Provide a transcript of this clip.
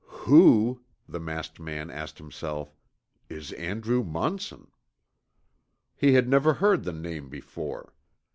"Who," the masked man asked himself, "is Andrew Munson?" He had never heard the name before.